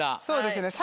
そうですね。